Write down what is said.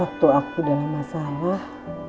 waktu aku dalam masalah